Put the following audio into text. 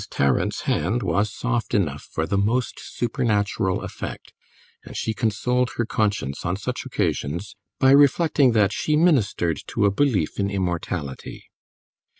Tarrant's hand was soft enough for the most supernatural effect, and she consoled her conscience on such occasions by reflecting that she ministered to a belief in immortality.